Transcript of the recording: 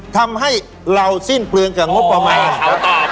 ทำให้เราสิ้นเปลืองกับงบประมาณของเขา